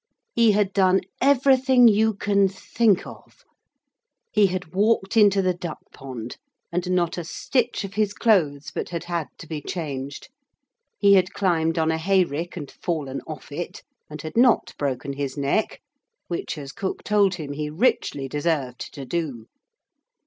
He had done everything you can think of. He had walked into the duck pond, and not a stitch of his clothes but had had to be changed. He had climbed on a hay rick and fallen off it, and had not broken his neck, which, as cook told him, he richly deserved to do.